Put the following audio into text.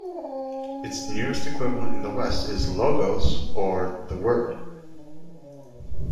Its nearest equivalent in the West is Logos or the 'Word'.